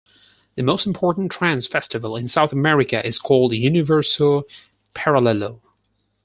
The most important trance festival in South America is called Universo Paralello.